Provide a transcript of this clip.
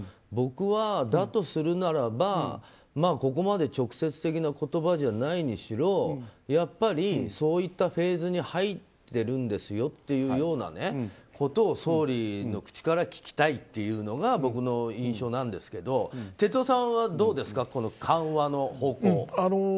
僕は、だとするならばここまで直接的な言葉じゃないにしろやっぱりそういったフェーズに入ってるんですよというようなことを総理の口から聞きたいというのが僕の印象なんですけど哲夫さんは、どうですか緩和の方向。